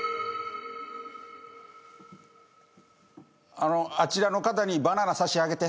あのあちらの方にバナナ差し上げて。